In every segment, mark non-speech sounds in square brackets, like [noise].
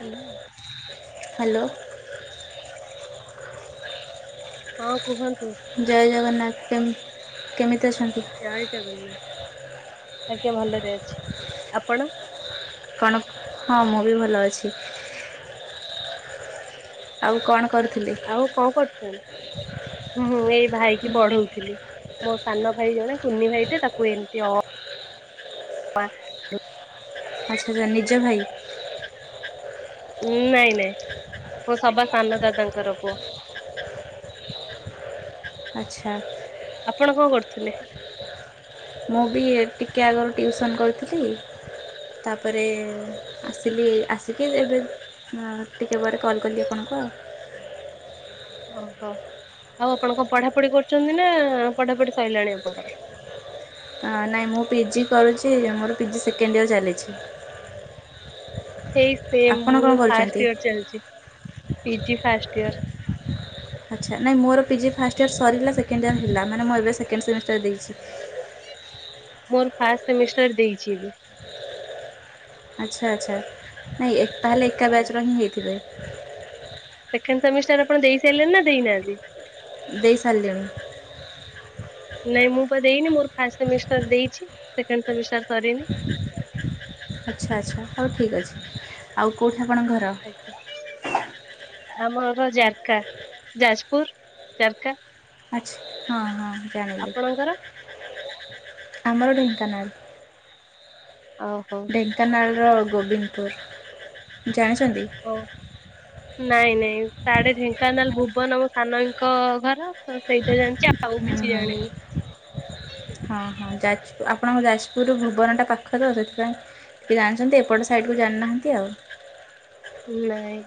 Hello hello. ହଁ କୁହନ୍ତୁ? ଜୟ ଜଗନ୍ନାଥ କେ କେମିତି ଅଛନ୍ତି? ଜୟ ଜଗନ୍ନାଥ ଆଜ୍ଞା ଭଲରେ ଅଛି, ଆପଣ? କଣ ହଁ ମୁଁ ବି ଭଲ ଅଛି। ଆଉ କଣ କରୁଥିଲି? ଉ କଣ କରୁଚନ୍ତି? ଏଇ ଭାଇ କିି ପଢଉଥିଲି। ମୋ ସାନ ଭାଇ ଜଣେ କୁନି ଭାଇଟେ ତାକୁ ଏମତି ଅ ଆଛା ଆଛା ନିଜେ ଭାଇ? ଉ ନାଇଁ ନାଇଁ ମୋ ସବା ସାନ ଦାଦାଙ୍କର ପୁଅ। ଆଚ୍ଛା। ଆପଣ କଣ କରୁଥିଲେ? ମୁଁ ବି ଟିକେ ଆଗରୁ ଟିଉସନ୍ କରିଥିଲି। ତାପରେ ଆସିଲି ଆସିକି ଏବେ ହଁ ଟିକେ ପରେ କଲ୍ କଲି ଆପଣଙ୍କୁ ଆଉ। ଓହୋ ଆଉ ଆପଣ କଣ ପଢାପଢି କରୁଛନ୍ତି ନା ପଢାପଢି ସରିଲାଣି ଆପଣଙ୍କର? ନାହିଁ ମୁଁ ପିଜି କରୁଚି ମୋର ପିଜି ସେକେଣ୍ଡ ଇୟର ଚାଲିଚି ଏବେ ହେଇ ସେ ଆପଣ ମୁଁ କଣ କରୁଛନ୍ତି? ଫାଷ୍ଟ ଇୟର ଚାଲିଚି ପିଜି ଫାଷ୍ଟ ଇୟର। ଆଚ୍ଛା ନାଇଁ ମୋରି ପିଜି ଫାଷ୍ଟ ଇୟ ସରିଲା ସେକଣ୍ଡ ଇୟର ହେଲା ମାନେ ମୁଁ ଏବେ ସେକେଣ୍ଡ ସେମିଷ୍ଟାର ଦେଇଛି। ମୋର ଫାଷ୍ଟ ସେମିଷ୍ଟର ଦେଇଚି ଏବେ। ଆଚ୍ଛା ଆଚ୍ଛା ନାଇଁ ତାହେଲେ ଏକା ବ୍ୟାଚ୍ ର ହିଁ ହେଇଥିବେ। ସେକେଣ୍ଡ ସେମିଷ୍ଟାର ଆପଣ ଦେଇ ସାରିଲେ ନା ଦେଇନାହାନ୍ତି? ଦେଇ ସାରିଲିଣି। ନାଇଁ ମୁଁ ବା ଦେଇନି ମୋର ଫାଷ୍ଟ ସେମିଷ୍ଟର ଦେଇଚି ସେକେଣ୍ଡ ସେମିଷ୍ଟାର ସରିନି। ଆଚ୍ଛା ଆଚ୍ଛା ହେଉ ଠିକ୍ ଅଛି ଆଉ କେଉଁଠି ଆପଣ ଘର? ଆମର ଜାରକା ଯାଜପୁର ଜାରକା ଆଚ୍ଛା ହଁ ହଁ ଜାଣିଲି ଆପଣଙ୍କର? ଆମର ଢେଙ୍କାନାଲ। ଓଉହୋ। ଢେଙ୍କାନାଳର ଗୋବିନ୍ଦପୁର ଜାଣିଛନ୍ତି? ହଉ ନାଇଁ ନାଇଁ ସାଡେ ଢେଙ୍କାନାଳ ଭୁବନ ଆମ ସାନ ଆଙ୍କ ଘର ତ ସେଇଟା ଜାଣିଚି ଆଉ। ଆଉ ହୁଁ କିଛି ହୁଁ ଜାଣିନି। ହଁ ହଁ ଯାଜପୁର ଆପଣଙ୍କ ଯାଜପୁରରୁ ଭୁବନଟା ପାଖ ତ [unintelligible] କିଏ ଜାଣିଛନ୍ତି ଏପଟ ସାଇଡ଼୍ କୁ ଜାଣିନାହାନ୍ତି ଆଉ ନାଇଁ।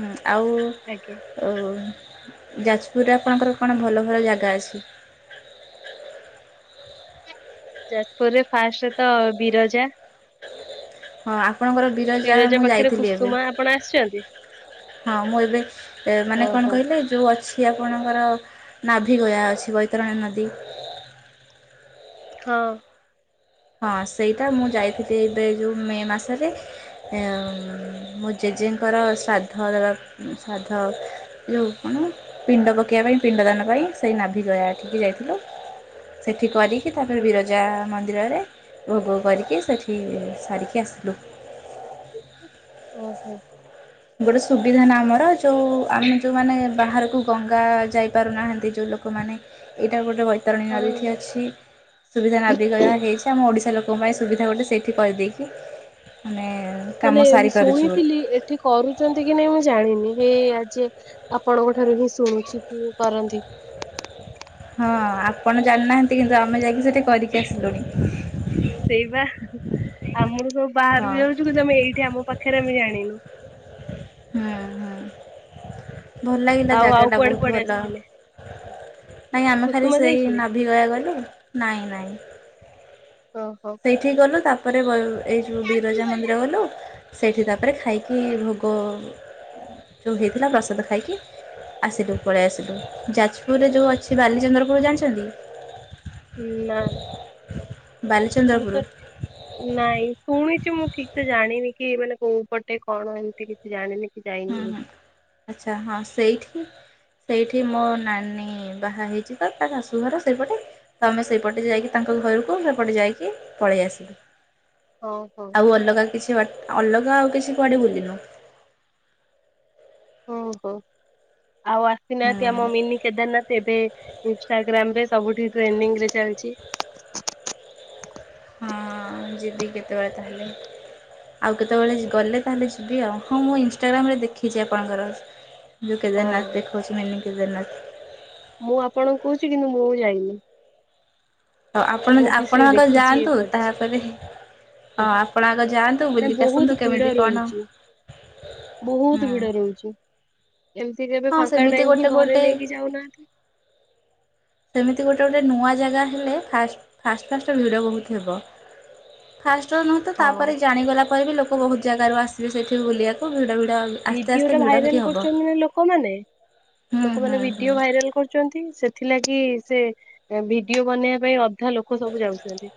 ହ ଆଉ ଆଜ୍ଞା ଆଉ ଯାଜପୁରରେ ଆପଣଙ୍କର କଣ ଭଲ ଭଲ ଜାଗା ଅଛି? ଯାଜପୁରରେ ଫାଷ୍ଟ ତ ବିରଜା। ହଁ ଆପଣଙ୍କର ବିରଜା ମୁଁ ପାଖରେ ଯାଇଥିଲି ଏବେ। କୁସୁମା ଆପଣ ଆସିଛନ୍ତି? ହଁ ମୁଁ ଏବେ ମାନେ କଣ ଓହୋ କହିଲେ ଯୋଉ ଅଛି ଆପଣଙ୍କର ନାଭି ଗୟା ଅଛି ବୈତରଣୀ ନଦୀ ହଁ। ହଁ ସେଇଟା ମୁଁ ଯାଇଥିଲି ଏବେ ଯୋଉ ମେ ମାସରେ। ଅଁ ଜେଜେଙ୍କର ଶ୍ରାଦ୍ଧ ଦେବା ଶ୍ରାଦ୍ଧ ଯୋଉ କଣ ପିଣ୍ଡ ପକେଇବା ପାଇଁ ପିଣ୍ଡ ଦାନ ପାଇଁ। ସେଇ ନାଭିି ଗୟାଠିକି ଯାଇଥିଲୁ। ସେଠି କରି କି ତାପରେ ହଁ ବିରଜା ମନ୍ଦିରରେ ଭୋଗ କରିକି ସେଠି ସାରିକି ଆସିଲୁ। ଓ ହୋ। ଗୋଟେ ସୁବିଧା ନା ଆମର ଯୋଉ ଆମେ ଯୋଉମାନେ ବାହାରକୁ ଗଙ୍ଗା ଯାଇପାରୁନାହାଁନ୍ତି, ଯେଉଁ ଲୋକମାନେ ଏଇଟା ଗୋଟେ ବୈତରଣୀ ନଦୀ ଏଠି ହଉ ଅଛି। ସୁବିଧା ନାଭି ଗୟା ହେଇଛି। ଆମ ଓଡ଼ିଶା ଲୋକଙ୍କ ପାଇଁ ସୁବିଧା ଗୋଟେ ସେଇଠି କରିଦେଇଚି। ମାନେ ମାନେ ମୁଁ ଶୁଣିଥିଲି ଏଠି କରୁଛନ୍ତି କି ନାଇଁ ମୁଁ ଜାଣିନି। ହେ ଆଜେ ଆପଣଙ୍କ ଠାରୁ ହିଁ ଶୁଣୁଚି କି କରନ୍ତି। ହଁ ଆପଣ ଜାଣିନାହାନ୍ତି କିନ୍ତୁ ଆମେ ଯାଇକି ସେଠି କରିକି ଆସିଲୁଣି। ସେଇ ବା ଆମର ସବୁ ହଁ ବାହାରକୁ ଯାଉଚୁ। କିନ୍ତୁ ଆମେ ଏଇଠି ଆମ ପାଖରେ ଆମେ ଜାଣିନୁ। ଉଁ ହୁଁ। ଭଲ ଲାଗିଲା ଆଉ ଆଉ ଜାଗାଟା କୁଆଡେ ବହୁତ କୁଆଡେ ଭଲ। ଆସିଥିଲେ ନାଇଁ ଆମେ ଖାଲି କୁସୁମା ସେଇ ଯାଇଥିଲେ? ନାଭି ଗୟା ଗଲୁ। ନାଇଁ ନାଇଁ। [unintelligible] ସେଇଠିକି ଗଲୁ। ତାପରେ ଏଇ ଯୋଉ ବିରଜା ମନ୍ଦିର ଗଲୁ। ସେଇଠି ତାପରେ ଖାଇକି ଭୋଗ ଯୋଉ ହେଇଥିଲା ପ୍ରସାଦ ଖାଇକି ଆସିଲୁ ପଳେଇ ଆସିଲୁ। ଯାଜପୁରରେ ଯୋଉ ଅଛି ବାଲିଚନ୍ଦ୍ରପୁର ଜାଣିଛନ୍ତି? ନା। ବାଲିଚନ୍ଦ୍ରପୁର [unintelligible] ନାଇଁ, ଶୁଣିଚି ମୁଁ ଠିକ୍ ସେ ଜାଣିନି କି ମାନେ କୋଉ ପଟେ କଣ ଏମିତି କିଛି ଜାଣିନି। ହୁଁ ଯାଇନି ହୁଁ ବୋଧେ। ଆଚ୍ଛା। ହଁ ସେଇଠି। ସେଇଠି ମୋ ନାନୀ ବାହା ହେଇଛି ତ ତା ଶାଶୁଘର ସେଇପଟେ। ତ ଆମେ ସେଇପଟେ ଯାଇକି ତାଙ୍କ ଘରକୁ ସେପଟେ ଯାଇକି ପଳେଇ ଆସିଲୁ। ଓ ହୋ। ଆଉ ଅଲଗା କିଛି ବାଟ ଅଲଗା ଆଉ କିଛି କୁଆଡ଼େ ବୁଲିନୁ। ଓହୋ। ଆଉ ହୁଁ ଆସିନାହାନ୍ତି ଆମ ମିନି କେଦାରନାଥ ଏବେ ଇନଷ୍ଟାଗ୍ରାମ ରେ ସବୁଠି ଟ୍ରେଣ୍ଡିଂ ରେ ଚାଲିଚି। ହଁ ଯିବି କେତେବେଳେ ତାହେଲେ। ଆଉ କେତେବେଳେ ଗଲେ ତାହେଲେ ଯିବି ଆଉ। ହଁ ମୁଁ ଇନଷ୍ଟାଗ୍ରାମରେ ଦେଖିଛି ଆପଣଙ୍କର। ଯୋଉ ହଁ। କେଦାରନାଥ ଦେଖଉଚି ମିନି କେଦାରନାଥ। ମୁଁ ଆପଣଙ୍କୁ କହୁଚି କିନ୍ତୁ ମୁଁ ଯାଇନି। ଆଉ ଆପଣ ମୁଁ ବି ସେଇ ଆପଣ ଆଗ ଦେଖିଛି ଇଏ ଯାଆନ୍ତୁ। କରିଛି। ତାପରେ ହଁ ଆପଣ ଆଗ ଯାଆନ୍ତୁ ନା ବୁଲିକି ବହୁତ ଆସନ୍ତୁ। ଭିଡ କେମିତି କଣ ରହୁଛି ହୁଁ ବହୁତ ଭିଡ ରହୁଚି। ଏମିତି କେବେ ହଁ ଫାଙ୍କା ସେମିତି ଟାଇମ ଗୋଟେ ହିଁ ଗୋଟେ ଘରେ ନେଇକି ଯାଉନାହାନ୍ତି? [inaudible] ସେମିତି ଗୋଟେ ଗୋଟେ ନୂଆ ଜାଗା ହେଲେ ଫାଷ୍ଟ ଫାଷ୍ଟ ଫାଷ୍ଟ ଭିଡ଼ ବହୁତ ହେବ। ଫାଷ୍ଟ ରୁ ନୁହଁ ତ ହଁ ତାପରେ ଜାଣିଗଲା ପରେ ବି ଲୋକ ବହୁତ ଜାଗାରୁ ଆସିବେ ସେଇଠି ବୁଲିବାକୁ ଭିଡ ଭିଡ ଭିଡିଓ ଟା ଭାଇରାଲ କରୁଚନ୍ତି ନା ଲୋକମାନେ। ହୁଁ ହୁଁ ଲୋକମାନେ ହୁଁ ଭିଡିଓ ଭାଇରାଲ କରୁଛନ୍ତି। ସେଥିଲାଗି ସେ ଭିଡିଓ ବନେଇବା ପାଇଁ ଅଧା ଲୋକ ଲୋକ ସବୁ ଯାଉଛନ୍ତି।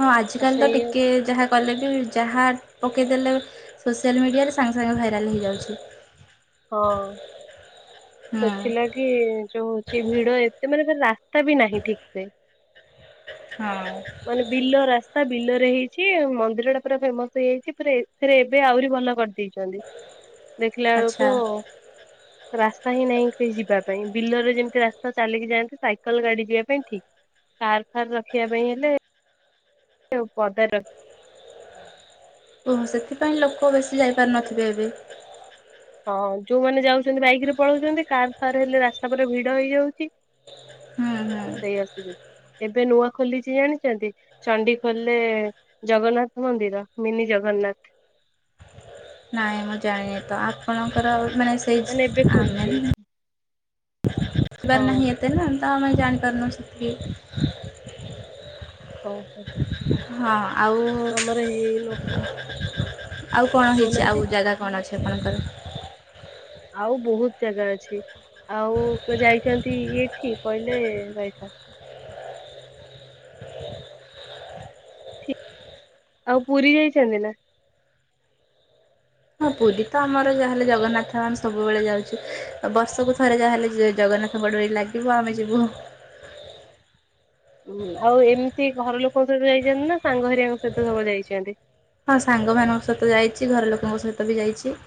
ହଁ ଆ ଆଜିକାଲି ତ ସେଇ ଟିକେ ଯାହା କଲେ ବି ଯାହା ପକେଇଦେଲେ ସୋସିଆଲ ମିଡ଼ିଆରେ ସାଙ୍ଗେ ସାଙ୍ଗେ ଭାଇରାଲ୍ ହେଇଯାଉଚି। ହଁ। ହୁଁ ସେଥିଲାଗି ଯୋଉ ହଉଛି ଭିଡ ଏତେ ମାନେ ରାସ୍ତା ବି ନାହିଁ ଠିକ ସେ ହଁ। ମାନେ ବିଲ ରାସ୍ତା ବିଲରେ ହେଇଛି ମନ୍ଦିର ଟା ପୁରା ଫେମସ ହେଇଯାଇଛି ପୁରା ଏଥିରେ ଏବେ ଆହୁରି ଭଲ କରି ଦେଇଛନ୍ତି। ଦେଖିଲା ଆଚ୍ଛା ବେଳକୁ ରାସ୍ ସ୍ତା ହିଁ ନାହିଁ କେହି ଯିବା ପାଇଁ ବିଲରେ ଯେମିତି ରାସ୍ତା ଚାଲିକି ଯାଆନ୍ତି ସାଇକେଲ ଗାଡି ଯିବା ପାଇଁ ଠିକ କାର ଫାର ରଖିବା ପାଇଁ ହେଲେ ପଦା ର ଓହୋ ସେଥିପାଇଁ ଲୋକ ବେଶୀ ଯାଇପାରୁନଥିବେ ଏବେ? ହଁ ଯୋଉମାନେ ଯାଉଛନ୍ତି ବାଇକ ରେ ପଳଉଛନ୍ତି କାର ଫାର ହେଲେ ରାସ୍ତା ପୁରା ଭିଡ ହେଇଯାଉଛି। ହୁଁ ହୁଁ। ସେଇ ଆସିବେ। ଏବେ ନୂଆ ଖୋଲିଛି ଜାଣିଛନ୍ତି ଚଣ୍ଡି ଖୋଲରେ ଜଗନ୍ନାଥ ମନ୍ଦିର ମିନି ଜଗନ୍ନାଥ ନାଇଁ ମୁଁ ଜାଣିନି ତ ଆପଣଙ୍କର ମାନେ ଏବେ ସେଇ ଖୋଲି ଆମେ ଦେଇଛି ଯିବାର ହଁ ନାହି ଏତେ ନା ତ ଆମେ ଜାଣିପାରୁନ ସେତିକି ଓହୋ। ହଁ ଆଉ ଆମର ହେଇନ ଆଉ କଣ ହେଇଛି କହୁନାହାନ୍ତି ଆଉ ଜାଗା କଣ ଅଛି ଆପଣଙ୍କର? ଆଉ ବହୁତ ଜାଗା ଅଛି ଆଉ ଯାଇଛନ୍ତି ଏଇଠି କହିଲେ ରଇଥା? ଆଉ ପୁରୀ ଯାଇଛନ୍ତି ନା? ହଁ ପୁରୀ ତ ଆମର ଯାହାହେଲେ ଜଗନ୍ନାଥ ଆମେ ସବୁବେଳେ ଯାଉଛୁ। ବର୍ଷକୁ ଥରେ ଯାହାହେଲେ ଜଗନ୍ନାଥ ଯେବେ ଡ଼ୋରି ଲାଗିବ ଆମେ ଯିବୁ। ହୁଁ ଆଉ ଏମିତି ଘର ଲୋକଙ୍କ ସହିତ ଯାଇଛନ୍ତି ନା ସାଙ୍ଗ ହେରିଆଙ୍କ ସହିତ ସବୁ ଯାଇଛନ୍ତି? ହଁ ସାଙ୍ଗମାନଙ୍କ ସହିତ ଯାଇଛି। ଘର ଲୋକଙ୍କ ସହିତ ବି ଯାଇଛି।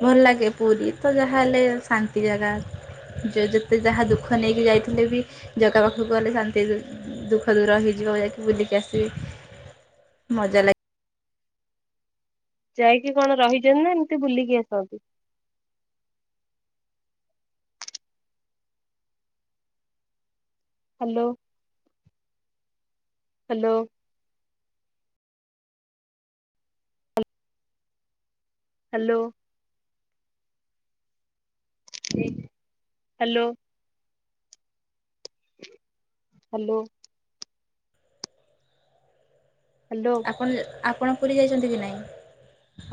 ଭଲ ଲାଗେ ପୁରୀ ତ ଯାହାହେଲେ ଶାନ୍ତି ଜାଗା। ଯିଏ ଯେତେ ଯାହା ଦୁଃଖ ନେଇକି ଯାଇଥିଲେ ବି ଜାଗା ପାଖକୁ ଗଲେ ଶାନ୍ତି ଦୁଃଖ ଦୂର ହେଇଯିବ ଯାଇକି ବୁଲିକି ଆସିବି ମଜା ଲାଗେ ଯାଇକି କଣ ରହିଛନ୍ତି ନା ଏମିତି ବୁଲିକି ଆସନ୍ତି? Hello hello hello. Hello. Hello. Hello. ଆପଣ ଯ ଆପଣ ପୁରୀ ଯାଇଛନ୍ତି କି ନାହିଁ?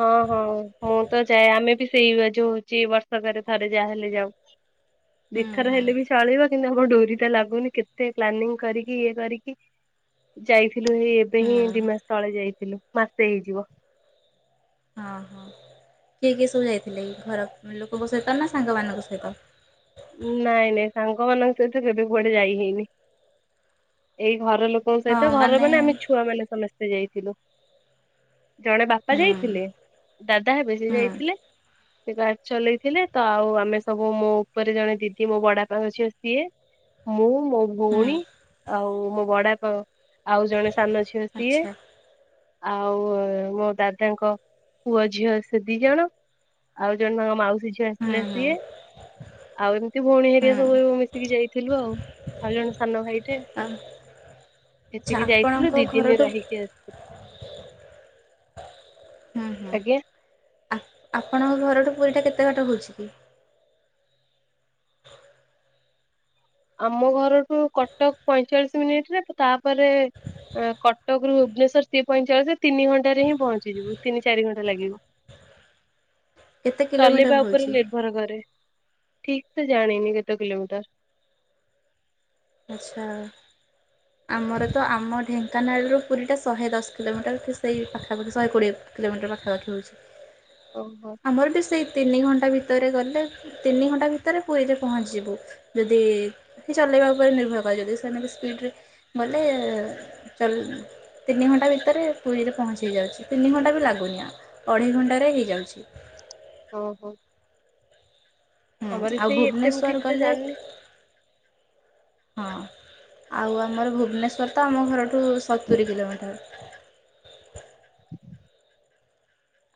ହଁ ହଁ ମୁଁ ତ ଯାଏ ଆମେ ବି ସେଇ ଜୋଉ ହଉଛି ବର୍ଷକରେ ଥରେ ଯାହାହେଲେ ଯାଉ। ଦି ହୁଁ ଥର ହୁଁ ହେଲେ ବି ଚଳିବ କିନ୍ତୁ ଆମ ଡୋରି ତ ଲାଗୁନି କେତେ ପ୍ଲାନିଂ କରିକି ଇଏ କରିକି ଯାଇଥିଲୁ ହେଇ ଏବେ ହିଁ ହୁଁ ଦି ମାସ ତଳେ ଯାଇଥିଲୁ ମାସେ ହେଇଯିବ। ହଁ ହଁ କିଏ କିଏ ସବୁ ଯାଇଥିଲେ ଘର ଲୋକଙ୍କ ସହିତ ନା ସାଙ୍ଗମାନଙ୍କ ସହିତ? ନାଇଁ ନାଇଁ ସାଙ୍ଗ ମାନଙ୍କ ସହିତ କେବେ କୁଆଡେ ଯାଇ ହେଇନି। ଏଇ ଘର ଲୋକ ଙ୍କ ସହିତ ଘରେ ମାନେ ଆମେ ଛୁଆ ମାନେ ସମସ୍ତେ ଯାଇଥିଲୁ। ଜଣେ ବାପା ହୁଁ ଯାଇଥିଲେ ଦାଦା ହେବେ ସେ ହୁଁ ଯାଇଥିଲେ ସେ ଗାଡ଼ି ଚଲେଇଥିଲେ ତ ଆଉ ଆମେ ସବୁ ମୋ ଉପରେ ଜଣେ ଦିଦି ମୋ ବଡ ବାପାଙ୍କ ଝିଅ ସିଏ ମୁଁ ମୋ ହୁଁ ଭଉଣୀ ଆଉ ମୋ ବଡ଼ାବାପା ଆଉ ଜଣେ ସାନ ଝିଅ ସିଏ ଆଚ୍ଛା ଆଉ ମୋ ଦାଦାଙ୍କ ପୁଅ ଝିଅ ସେ ଦି ଜଣ ଆଉ ଜଣେ ତାଙ୍କ ମାଉସୀ ଝିଅ ହୁଁ ଆସିଥିଲା ହୁଁ ସିଏ ଆଉ ଏମିତି ଭଉଣୀ ହେରିକା ହୁଁ ସବୁ ମିଶିକି ଯାଇଥିଲୁ ଆଉ। ଆଉ ଜଣେ ସାନ ଭାଇଟେ। ଆଚ୍ଛା ଏତିକି ଯାଇଥିଲୁ ଆପଣଙ୍କ ଦି ଦିନ ଘରଠୁ ରହିକି ଆସ ହୁଁ ହୁଁ ଆଜ୍ଞା। ଆପଣଙ୍କ ଘରଠୁ ପୁରୀଟା କେତେ ବାଟ ହେଉଛି କି? ଆମ ଘରଠୁ କଟକ ପଇଁଚାଳିଶ ମିନିଟରେ ତାପରେ ଏଁ କଟକରୁୁ ଭୁବନେଶ୍ୱର ସିଏ ପଇଁଚାଳିଶରେ ତିନିଘଣ୍ଟାରେ ହିଁ ପହଞ୍ଚିଯିବୁ, ତିନି ଚାରି ଘଣ୍ଟା ଲାଗିବ। କେତେ କିଲୋମିଟର ଚାଲିବା ଉପରେ ହେଉଛି? ନିର୍ଭର କରେ। ଠିକ ସେ ଜାଣିନି କେତେ କିଲୋମିଟର? ଆଚ୍ଛା। ଆମର ତ ଆମ ଢେଙ୍କାନାଳରୁ ପୁରୀଟା ଶହେ ଦଶ କିଲୋମିଟର, ତ ସେଇ ପାଖାପାଖି ଶହେ କୋଡ଼ିଏ କିଲୋମିଟର ପାଖାପାଖି ହଉଛି। ହଉ ହଉ। ଆମର ବି ସେଇ ତିନି ଘଣ୍ଟା ଭିତରେ ଗଲେ, ତିନି ଘଣ୍ଟା ଭିତରେ ପୁରୀରେ ପହଞ୍ଚିଯିବୁ। ଯଦି କିଏ ଚଲେଇବାକୁ ଉପରେ ନିର୍ଭର କରାଯାଏ। ଯଦି ସେମାନେ ସ୍ପିଡ଼ରେ ଗଲେ ଏ ଚଲେ ତିନି ଘଣ୍ଟା ଭିତରେ ପୁରୀରେ ପହଞ୍ଚି ଯାଉଛି। ତିନି ଘଣ୍ଟା ବି ଲାଗୁନି ଆମକୁ। ଅଢ଼େଇ ଘଣ୍ଟାରେ ହେଇଯାଉଛି। ଓହୋ। ହୁଁ ଆମରି ଆଉ ସେଇ ଏତେ ମୁଁ ଭୁବନେଶ୍ୱର ଠିକସେ ଗଲେ ଜାଣିନି ହଁ। ଆଉ ଆମର ଭୁବନେଶ୍ୱର ତ ଆମ ଘରଠୁ ସତୁରି କିଲୋମିଟର।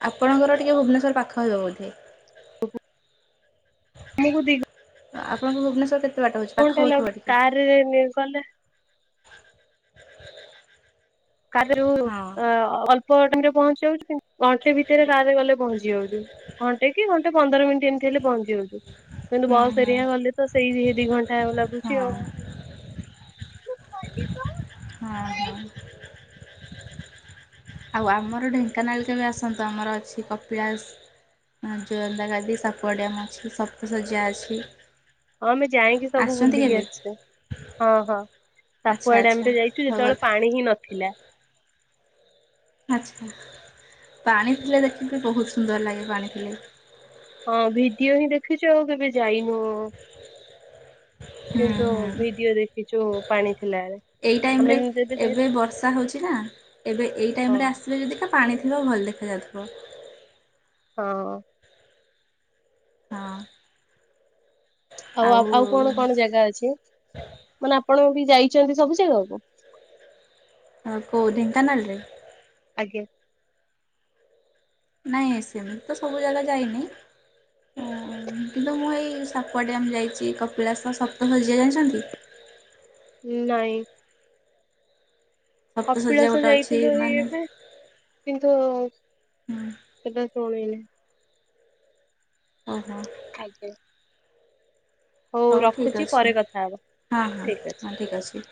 ଆପଣଙ୍କର ଟିକେ ଭୁବନେଶ୍ୱର ପାଖ ହେବ ବୋଧେ? [unintelligible] ହ ଆମକୁ ଦି ଘ ଆପଣଙ୍କୁ ଭୁବନେଶ୍ୱର କେତେ ବାଟ ହେଉଛି ପାଖ କଣଟା ହେଲା ହେଉଥିବ ଟିକେ ଗୋଟେ କାରରେ ନେଇଗଲେ କାଧିରୁ ଉ ହଁ ଅ-ଅଳ୍ପ ଟାଇମରେ ପହଞ୍ଚି ଯାଉଛୁ କିନ୍ତୁ ଘଣ୍ଟେ ଭିତରେ କାର୍ ରେ ଗଲେ ପହଞ୍ଚି ଯାଉଛୁ। ଘଣ୍ଟେ କି ଘଣ୍ଟେ ପନ୍ଦର ମିଣ୍ଟି ଏମତି ହେଲେ ପହଞ୍ଚି ଯାଉଛୁ। କିନ୍ତୁ ହୁଁ ବସ ହୁଁ ହେରିକା ଗଲେ ତ ସେଇ ହି ଦି ଘଣ୍ଟା ଲାଗୁଛି ହଁ ଆଉ। ହଁ ହଁ ହଁ। ଆଉ ଆମର ଢେଙ୍କାନାଳ କେବେ ଆସନ୍ତୁ? ଆମର ଅଛି କପିଳାସ ଆ ଯୋରନ୍ଦା ଗାଦି, ସାପୁଆ ଡ୍ୟାମ ଅଛି, ସପ୍ତଶଯ୍ୟା ଅଛି ହଁ ଆମେ ଯାଇଁକି ସବୁ ଆସିଛନ୍ତି ବୁଲିକି କେବେ ଆସିଛୁ। ହଁ ହଁ। ଆଚ୍ଛା ସାପୁଆ ଆଚ୍ଛା ଡ୍ୟାମରେ ଯାଇଛୁ, ହଉ ଭଲ ଯେତେବେଳେ ପାଣି ହିଁ ନଥିଲା। ଆଚ୍ଛା। ପାଣି ଥିଲେ ଦେଖିବେ ବହୁତ ସୁନ୍ଦର ଲାଗେ ପାଣି ଥିଲେ। ହଁ ଭିଡିଓ ହିଁ ଦେଖିଛୁ ଆଉ କେବେ ଯାଇନୁ ହୁଁ କିନ୍ତୁ ହୁଁ ଭିଡିଓ ଦେଖିଛୁ ପାଣି ଥିଲା ବେଳେ। ଏଇ ଟାଇମରେ ଏବେ ବର୍ଷା ହେଉଛି ନା, ଏବେ ଏଇ ହଁ ଟାଇମରେ ଆସିଲେ ଯଦି କା ପାଣି ଥିବ ଭଲ ଦେଖାଯାଉଥିବ। ହଁଅ। ହଁଅ। ଆଉ ଆପ ଆଉ କଣ କଣ ଜାଗା ଅଛି? ମାନେ ଆପଣ ବି ଯାଇଛନ୍ତି ସବୁ ଜାଗାକୁ? ଆ କୋଉ ଢେଙ୍କାନାଳରେ? ଆଜ୍ଞା। ନାଇଁ ସେମିତି ତ ସବୁ ଜାଗା ଯାଇନି ହୁଁ କିନ୍ତୁ ମୁଁ ଏଇ ସାପୁଆ ଡ୍ୟାମ୍ ଯାଇଚି, କପିଳାସ, ସପ୍ତଶଯ୍ୟା ଜାଣିଛନ୍ତି? ନାଇଁ। ସପ୍ତଶଯ୍ୟା କପିଳାସ ଗୋଟେ ଅଛି ଯାଇଥିଲୁ ହେଇ ମାନେ ଏବେ କିନ୍ତୁ ହୁଁ ସେଟା ଶୁଣିନି। ଓହୋ। ଆଜ୍ଞା। ହଉ ଠିକ୍ ରଖୁଛି ପରେ ଅଛି, କଥା ହବା ହଁ ହଁ ଠିକ ଅଛି। ହଁ ଠିକ୍ ଅଛି।